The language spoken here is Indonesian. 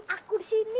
aku di sini